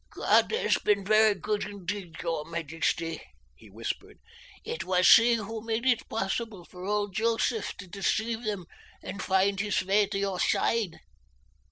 "God has been good indeed, your majesty," he whispered. "It was He who made it possible for old Joseph to deceive them and find his way to your side."